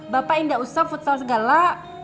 bapaknya enggak usah futsal segala